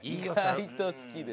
意外と好きです